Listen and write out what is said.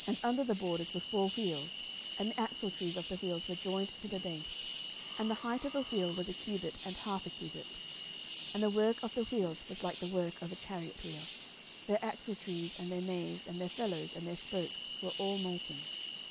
11:007:032 And under the borders were four wheels; and the axletrees of the wheels were joined to the base: and the height of a wheel was a cubit and half a cubit. 11:007:033 And the work of the wheels was like the work of a chariot wheel: their axletrees, and their naves, and their felloes, and their spokes, were all molten.